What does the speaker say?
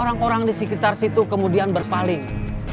orang orang di sekitar situ kemudian berpaling